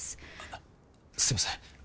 あっすいません